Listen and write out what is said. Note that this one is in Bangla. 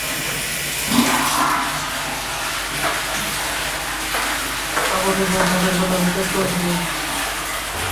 আবু সুফিয়ান তাদের কথা বিশ্বাস করেছিল।